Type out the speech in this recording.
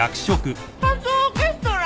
仮装オーケストラ！？